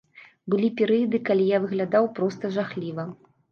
Былі перыяды, калі я выглядаў проста жахліва.